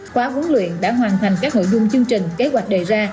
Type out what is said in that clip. khóa huấn luyện đã hoàn thành các nội dung chương trình kế hoạch đề ra